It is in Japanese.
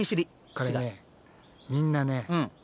これねみんなね植物